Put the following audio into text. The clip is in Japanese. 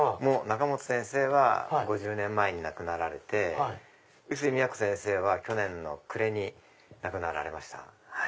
中本先生は５０年前に亡くなられて臼井都先生は去年の暮れに亡くなられました。